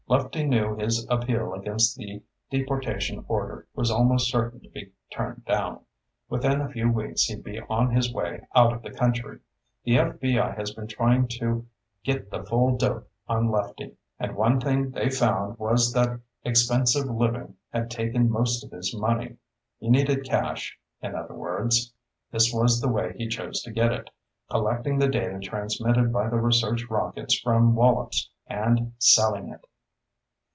Lefty knew his appeal against the deportation order was almost certain to be turned down. Within a few weeks he'd be on his way out of the country. The FBI has been trying to get the full dope on Lefty, and one thing they found was that expensive living had taken most of his money. He needed cash, in other words. This was the way he chose to get it, collecting the data transmitted by the research rockets from Wallops and selling it."